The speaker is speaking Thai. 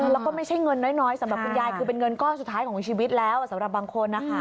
แล้วก็ไม่ใช่เงินน้อยสำหรับคุณยายคือเป็นเงินก้อนสุดท้ายของชีวิตแล้วสำหรับบางคนนะคะ